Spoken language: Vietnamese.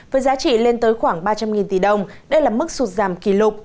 với giá trị lên tới khoảng ba trăm linh tỷ đồng đây là mức sụt giảm kỷ lục